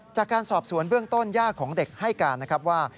จากการสอบสวนเบื้องต้นย่าของเด็กให้การนะครับว่า